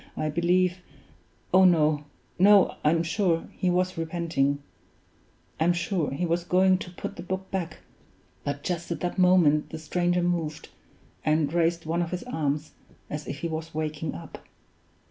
I believe oh no! no! I'm sure he was repenting; I'm sure he was going to put the book back; but just at that moment the stranger moved, and raised one of his arms, as if he was waking up.